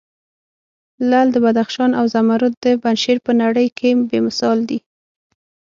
لعل د بدخشان او زمرود د پنجشیر په نړې کې بې مثال دي.